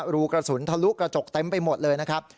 รูกระสุนทะลุกระจกเต็มไปหมดเลยนะครับ